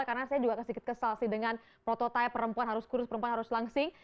karena saya juga sedikit kesal sih dengan prototipe perempuan harus kurus perempuan harus langsing